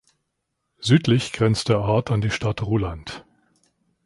Südlich grenzt der Ort an die Stadt Ruhland.